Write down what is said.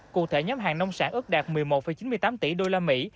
cụ thể nhóm hàng nông sản ước đạt một mươi một chín mươi tám tỷ đô la mỹ